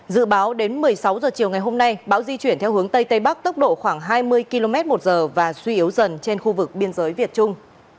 dự báo đến một mươi sáu h chiều ngày hôm nay bão di chuyển theo hướng tây tây bắc tốc độ khoảng hai mươi km một giờ và suy yếu dần trên khu vực biên giới việt trung